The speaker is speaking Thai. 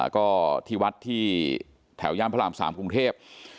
ก็ที่วัดที่แถวย่านพระราม๓กรุงเทพ